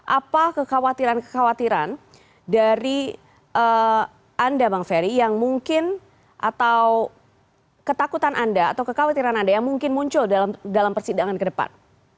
apa kekhawatiran kekhawatiran dari anda bang ferry yang mungkin atau ketakutan anda atau kekhawatiran anda yang mungkin muncul dalam persidangan ke depan